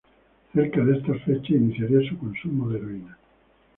Cerca de estas fechas iniciaría su consumo de heroína.